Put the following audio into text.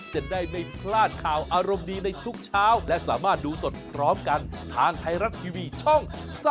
โชคดีในทุกเช้าและสามารถดูสดพร้อมกันทางไทยรัฐทีวีช่อง๓๒